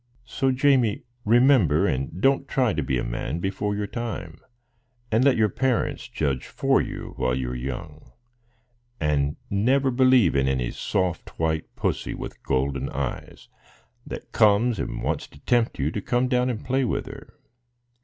"So, Jamie, remember, and don't try to be a man before your time, and let your parents judge for you while you are young; and never believe in any soft white Pussy, with golden eyes, that comes and wants to tempt you to come down and play with her.